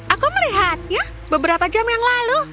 aku melihatnya beberapa jam yang lalu